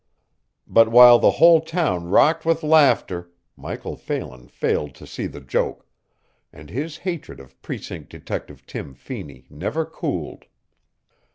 But while the whole town rocked with laughter Michael Phelan failed to see the joke, and his hatred of Precinct Detective Tim Feeney never cooled.